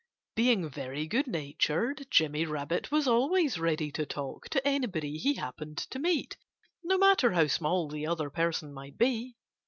Being very good natured, Jimmy Rabbit was always ready to talk to anybody he happened to meet, no matter how small the other person might be.